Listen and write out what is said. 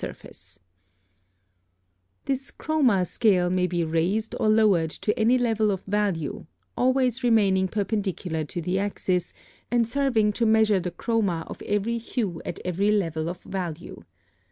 ] (32) This chroma scale may be raised or lowered to any level of value, always remaining perpendicular to the axis, and serving to measure the chroma of every hue at every level of value.